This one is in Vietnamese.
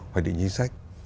hoạch định chính sách